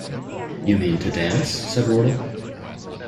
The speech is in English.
‘You mean to dance?’ said Wardle.